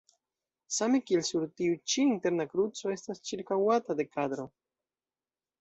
Same kiel sur tiu ĉi interna kruco estas ĉirkaŭata de kadro.